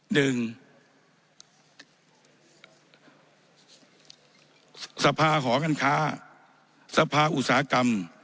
หนึ่งสภาหอการค้าสภาอุตสาหกรรม